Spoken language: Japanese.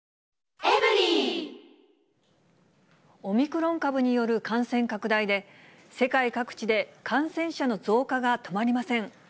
オミクロン株による感染拡大で、世界各地で感染者の増加が止まりません。